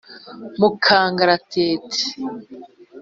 mu kangaratete